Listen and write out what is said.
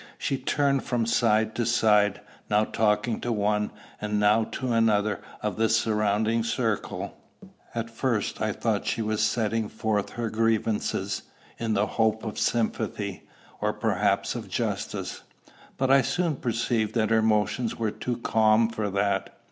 She turned from side to side, now talking to one, and now to another of the surrounding circle. At first I thought she was setting forth her grievances, in the hope of sympathy, or perhaps of justice; but I soon perceived that her motions were too calm for that.